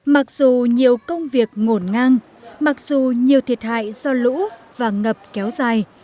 mặc dù nhiều công việc ngổn ngang mặc dù nhiều thiệt hại do lũ và ngập kéo dài